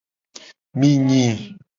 Mi nyi.